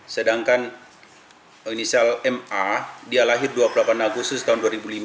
sedangkan inisial ma dia lahir dua puluh delapan agustus tahun dua ribu lima